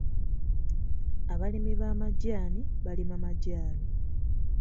Abalimi b'amajaani balima majaani.